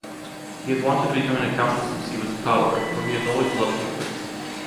He has wanted to become an accountant since he was a toddler, for he has always loved numbers.